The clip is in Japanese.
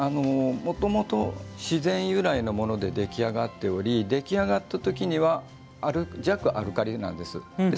もともと自然由来のもので出来上がっていて出来上がったあとは弱アルカリなんです。